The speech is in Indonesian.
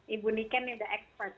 ibu niken ini udah ekspert